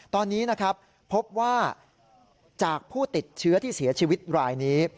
ตอนนี้นะครับพบว่าจากผู้ติดเชื้อที่เสียชีวิตรายนี้